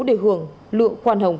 để hưởng lượng khoan hồng